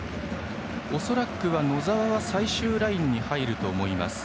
恐らくは野澤は最終ラインに入ると思います。